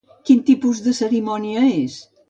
Quin tipus de cerimònia és?